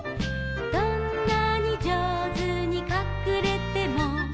「どんなに上手にかくれても」